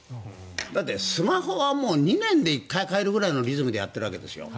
だってスマホはもう２年で１回変えるぐらいのリズムでやっているわけですよ。